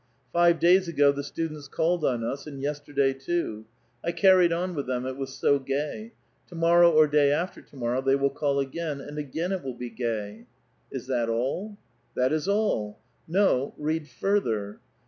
Five days ago the students called on us, and y^^tierday too. I carried on with them, it was so gay. To Biorrow or dav after to morrow they will call again, and again *t virill be gav'." * Is that all ?"•••■ Tliat is all !"^^* No, read further."